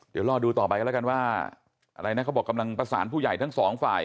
เดี๋ยวรอดูต่อไปกันแล้วกันว่าอะไรนะเขาบอกกำลังประสานผู้ใหญ่ทั้งสองฝ่าย